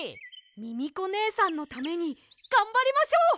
ミミコねえさんのためにがんばりましょう！